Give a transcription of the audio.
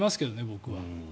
僕は。